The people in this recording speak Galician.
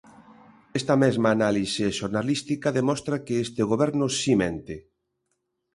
Esta mesma análise xornalística demostra que este goberno si mente.